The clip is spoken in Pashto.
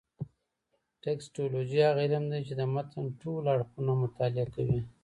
ټکسټولوجي هغه علم دﺉ، چي د متن ټول اړخونه مطالعه کوي.